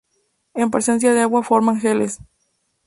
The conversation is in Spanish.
En presencia de agua forman geles.